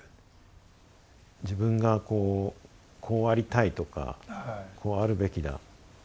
自分がこうこうありたいとかこうあるべきだ。